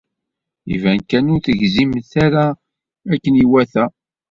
Iban kan ur tegzimt ara akken iwata.